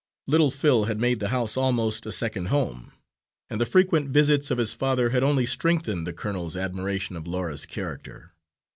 Little Phil had made the house almost a second home; and the frequent visits of his father had only strengthened the colonel's admiration of Laura's character.